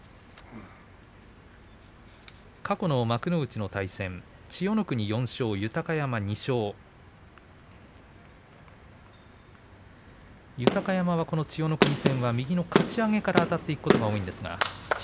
過去の幕内の対戦千代の国４勝、豊山２勝豊山は千代の国戦は右のかち上げからあたっていくことが多いですね。